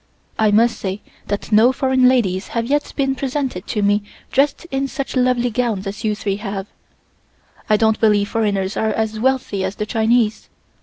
I must say that no foreign ladies have yet been presented to me dressed in such lovely gowns as you three have. I don't believe foreigners are as wealthy as the Chinese.